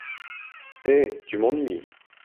Eh ! tu m’ennuies !